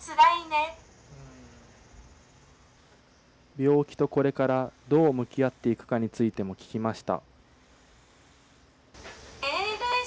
病気とこれからどう向き合っていくかについても聞きました。